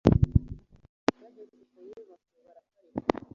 bageze ku nyubako baraparika